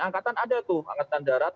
angkatan ada tuh angkatan darat